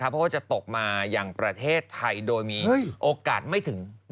เพราะว่าจะตกมาอย่างประเทศไทยโดยมีโอกาสไม่ถึง